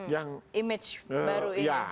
yang image baru ini